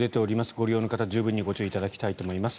ご利用の方、十分にご注意いただきたいと思います。